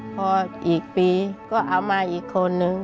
พออีกปีก็เอามาอีกคนนึง